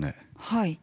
はい。